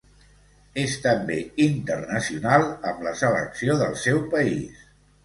És també internacional amb la selecció del seu país.